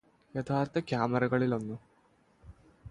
യഥാര്ഥ ക്യാമറകളിലൊന്ന്